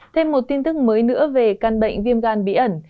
thêm một tin tức mới nữa về căn bệnh viêm gan bí ẩn